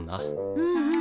うんうん。